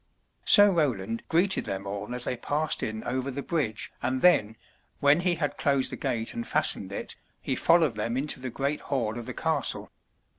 Sir Roland greeted them all as they passed in over the bridge and then, when he had closed the gate and fastened it, he fol lowed them into the great hall of the castle.